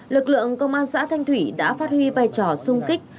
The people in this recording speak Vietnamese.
lực lượng công an xã thanh thủy đã phát huy vai trò sung kích